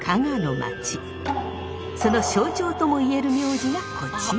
その象徴ともいえる名字がこちら！